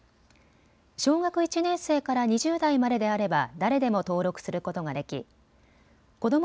小学１年生から２０代までであれば誰でも登録することができこども